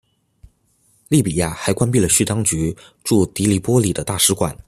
利比亚还关闭了叙当局驻的黎波里的大使馆。